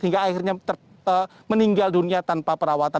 hingga akhirnya meninggal dunia tanpa perawatan